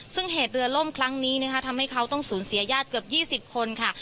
ซึ่งเหตุเรือล่มครั้งนี้นะคะทำให้เขาต้องสูญเสียญาติเกือบ๒๐คนค่ะ